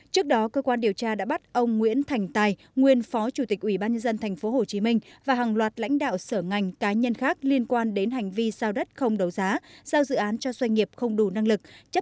trước đó cơ quan điều tra đã bắt ông nguyễn thành tài nguyên phó chủ tịch ủy ban nhân dân tp hcm và hàng loạt lãnh đạo sở ngành cá nhân khác liên quan đến hành vi sao đất không đấu giá